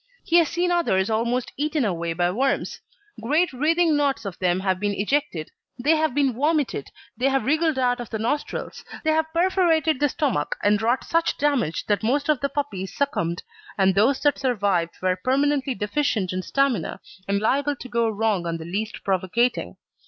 He has seen others almost eaten away by worms. Great writhing knots of them have been ejected; they have been vomited; they have wriggled out of the nostrils; they have perforated the stomach and wrought such damage that most of the puppies succumbed, and those that survived were permanently deficient in stamina and liable to go wrong on the least provocating.